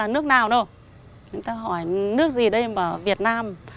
người ta hỏi nước gì đây tôi bảo việt nam